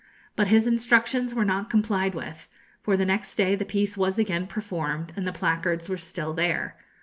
But his instructions were not complied with, for the next day the piece was again performed, and the placards were still there.